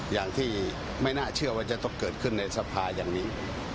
อย่างที่ไม่น่าเชื่อว่าจะต้องเกิดขึ้นในสภาอย่างนี้